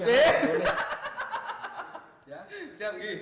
tidak boleh gini